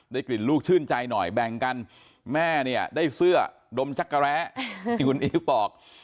กลิ่นลูกชื่นใจหน่อยแบ่งกันแม่เนี่ยได้เสื้อดมชักกะแร้ที่คุณอีฟบอก